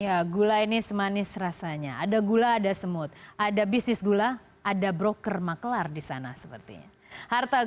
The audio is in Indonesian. ya gula ini semanis rasanya ada gula ada semut ada bisnis gula ada broker maklar di sana sepertinya